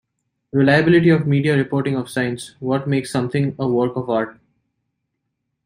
"Reliability of media reporting of science", "What makes something a work of art?